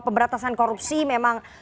pemberatasan korupsi memang